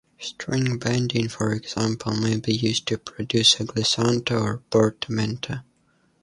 String-bending for example may be used to produce a glissando or portamento.